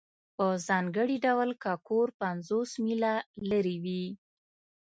په ځانګړي ډول که کور پنځوس میله لرې وي